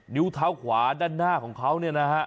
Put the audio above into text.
นิ้วเทาขวาด้านหน้าของเขานะฮะ